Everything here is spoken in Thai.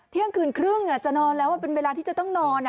เที่ยงคืนครึ่งจะนอนแล้วเป็นเวลาที่จะต้องนอน